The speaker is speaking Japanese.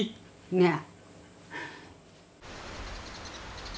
ねえ。